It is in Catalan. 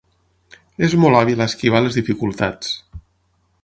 És molt hàbil a esquivar les dificultats.